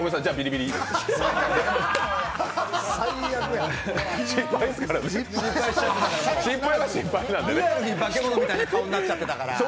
リアルに化け物みたいな顔になってたから。